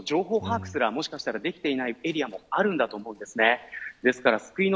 情報把握すらもしかしたらできていないエリアもあると思います。